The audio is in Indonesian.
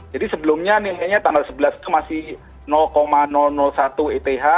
jadi sebelumnya nilainya tanggal sebelas itu masih satu eth